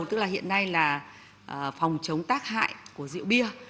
tức là hiện nay là phòng chống tác hại của rượu bia